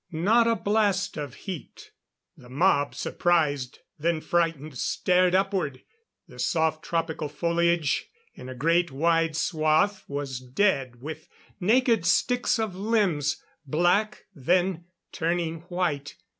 Not a blast of heat. The mob, surprised, then frightened, stared upward. The soft tropical foliage in a great wide swath was dead, with naked sticks of limbs. Black, then turning white.